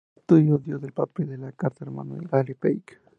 El estudió dio el papel de la cuarta hermana a Gale Page.